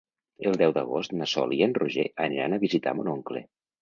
El deu d'agost na Sol i en Roger aniran a visitar mon oncle.